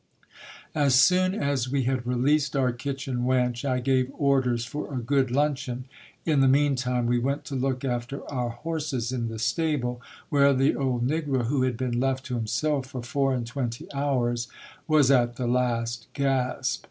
As soon as we had released our kitchen wench, I gave orders for a good luncheon. In the mean time we went to look after our horses in the stable, where the old negro, who had been left to himself for four and twenty hours, was at the last gasp.